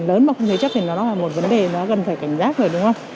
lớn mà không thế chấp thì nó là một vấn đề nó cần phải cảnh giác rồi đúng không